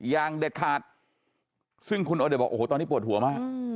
อย่างเด็ดขาดซึ่งคุณโอเดชบอกโอ้โหตอนนี้ปวดหัวมาก